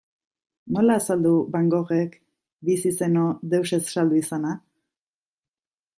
Nola azaldu Van Goghek, bizi zeno, deus ez saldu izana?